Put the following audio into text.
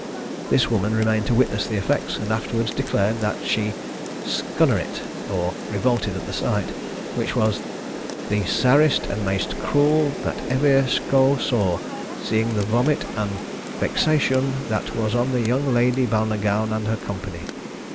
This woman remained to witness the effects, and afterwards declared that she "skunnerit," or revolted at the sight, which was "the sarest and maist cruell that evir scho saw, seeing the vomit and vexacioun that was on the young Lady Balnagown and her company."